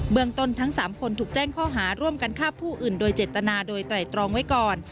เมืองต้นทั้ง๓คนถูกแจ้งข้อหาร่วมกันฆ่าผู้อื่นโดยเจตนาโดยไตรตรองไว้ก่อน